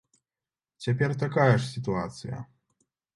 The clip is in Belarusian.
Цяпер такая ж сітуацыя.